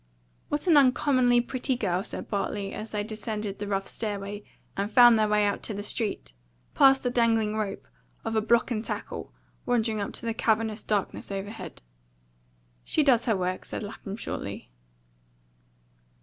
"What an uncommonly pretty girl!" said Bartley, as they descended the rough stairway and found their way out to the street, past the dangling rope of a block and tackle wandering up into the cavernous darkness overhead. "She does her work," said Lapham shortly.